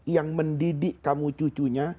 yang mendidik kamu cucunya